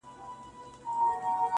کمزوری سوئ يمه، څه رنگه دي ياده کړمه.